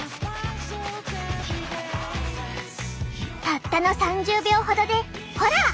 たったの３０秒ほどでほら！